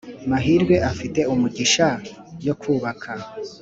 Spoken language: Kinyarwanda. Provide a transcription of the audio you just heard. mahirwe afite umugisha yo kubaka